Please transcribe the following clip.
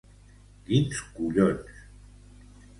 Quins collons.